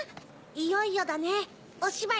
いよいよだねおしばい。